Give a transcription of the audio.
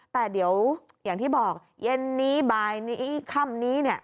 แต่เดี๋ยวอย่างที่บอกเย็นนี้บ่ายนี้ค่ำนี้เนี่ย